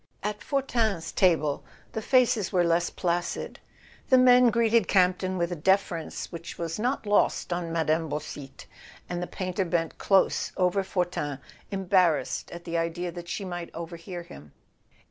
At Fortin's table the faces were less placid. The men greeted Campton with a deference which was not lost on Mme. Beausite, and the painter bent close over Fortin, embarrassed at the idea that she might over¬ hear him.